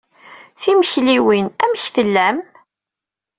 Timekliwin. Amek tellam?